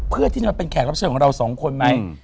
เพื่อที่จะมาเป็นแขกรับเชิญของเราสองคนไหม